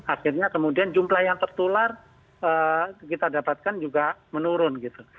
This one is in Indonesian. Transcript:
akhirnya kemudian jumlah yang tertular kita dapatkan juga menurun gitu